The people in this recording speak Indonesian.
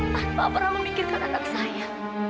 tanpa pernah memikirkan anak saya